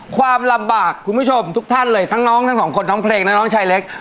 ความลำบากคุณผู้ชมทุกท่านเลยทั้งน้องทั้งสองคนทั้งเพลงและน้องชายเล็ก